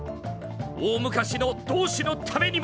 大昔の同志のためにも！